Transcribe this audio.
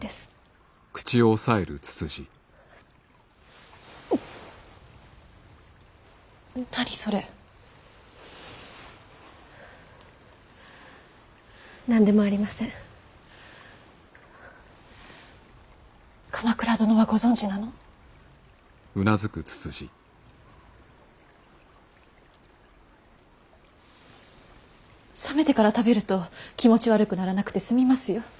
冷めてから食べると気持ち悪くならなくて済みますよ。